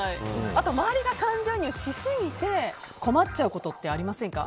あと周りが感情移入しすぎて困っちゃうことってありませんか。